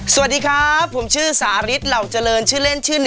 สวัสดีครับผมชื่อสาริสเหล่าเจริญชื่อเล่นชื่อ๑